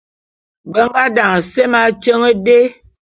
Be nga daňe semé atyeň dé.